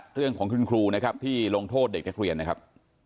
เรื่องของคุณครูนะครับที่ลงโทษเด็กนักเรียนนะครับ